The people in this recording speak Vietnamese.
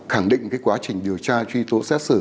khẳng định cái quá trình điều tra truy tố xét xử